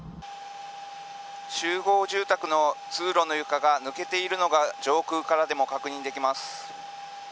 集合住宅の通路の床が抜けているのが上空からでも確認できます。